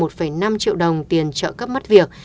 một năm triệu đồng tiền trợ cấp mất việc